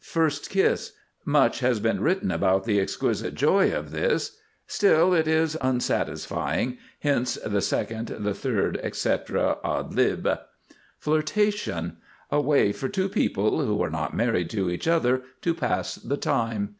First Kiss. Much has been written about the exquisite joy of this, still it is unsatisfying, hence the Second, the Third, etc., ad lib. FLIRTATION. A way for two people, who are not married to each other, to pass the time.